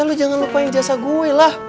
ya lo jangan lupa yang jasa gue lah